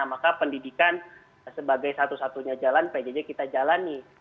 maka pendidikan sebagai satu satunya jalan pjj kita jalani